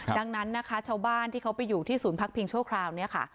ดังนั้นนะคะชาวบ้านที่เขาไปอยู่ที่ศูนย์พักพิงชั่วคราวนี้ค่ะ